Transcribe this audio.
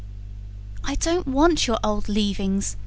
"I don't want your old leavings!"